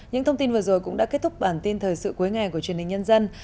những thông tin vừa rồi cũng đã kết thúc bản tin thời sự cuối ngày của truyền hình nhân dân